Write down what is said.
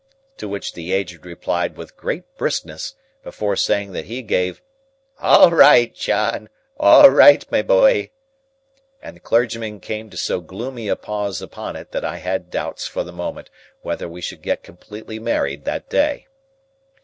To which the Aged replied with great briskness, before saying that he gave, "All right, John, all right, my boy!" And the clergyman came to so gloomy a pause upon it, that I had doubts for the moment whether we should get completely married that day.